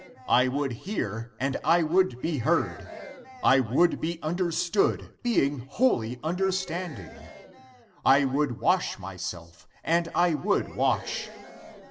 I would hear, and I would be heard. Amen. I would be understood, being wholly understand ing. Amen. I would wash myself, and I would wash.